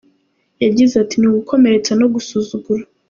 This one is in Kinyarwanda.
Yagize ati ’’ Ni ugukomeretsa no gusuzugura.